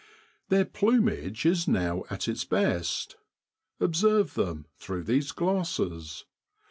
Their plumage is now at its best. Observe them through these glasses.